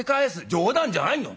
「冗談じゃないよ。